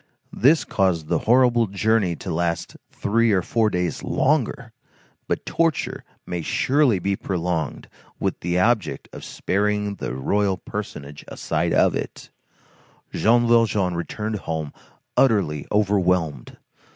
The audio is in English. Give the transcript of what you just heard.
This caused the horrible journey to last three or four days longer; but torture may surely be prolonged with the object of sparing the royal personage a sight of it. Jean Valjean returned home utterly overwhelmed.